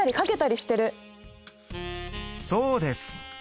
そうです。